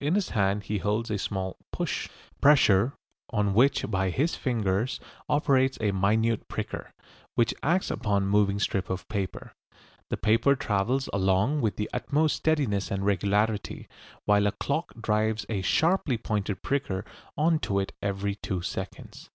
In his hand he holds a small "push," pressure on which by his fingers operates a minute pricker, which acts upon a moving strip of paper. The paper travels along with the utmost steadiness and regularity, while a clock drives a sharply pointed pricker on to it every two seconds.